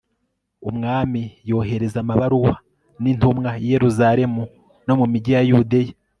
umwami yohereza amabaruwa n'intumwa i yeruzalemu no mu migi ya yudeya